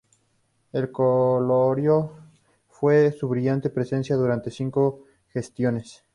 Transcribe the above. Corolario fue su brillante presidencia durante cinco gestiones.